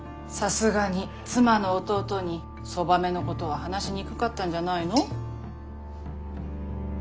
さすがに妻の弟にそばめのことは話しにくかったんじゃないの。